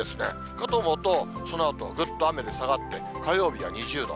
かと思うと、そのあとぐっと雨で下がって、火曜日は２０度。